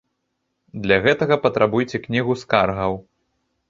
Для гэтага патрабуйце кнігу скаргаў.